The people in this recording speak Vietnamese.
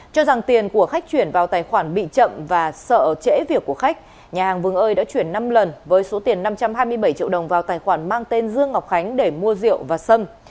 cho rằng tiền của khách chuyển vào tài khoản bị chậm và sợ trễ việc của khách nhà hàng vương ơi đã chuyển năm lần với số tiền năm trăm hai mươi bảy triệu đồng vào tài khoản mang tên dương ngọc khánh để mua rượu và xâm